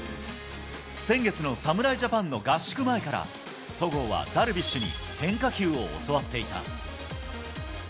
先月の侍ジャパンの合宿前から、戸郷はダルビッシュに変化球を教わっていた。